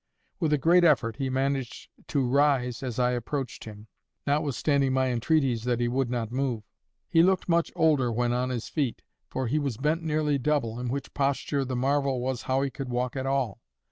With a great effort he managed to rise as I approached him, notwithstanding my entreaties that he would not move. He looked much older when on his feet, for he was bent nearly double, in which posture the marvel was how he could walk at all.